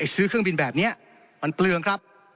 ซื้อเครื่องบินแบบนี้มันเปลืองครับ